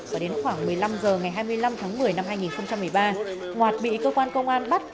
và đến khoảng một mươi năm h ngày hai mươi năm tháng một mươi năm hai nghìn một mươi ba ngoạt bị cơ quan công an bắt